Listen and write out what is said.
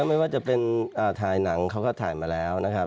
ไม่ว่าจะเป็นถ่ายหนังเขาก็ถ่ายมาแล้วนะครับ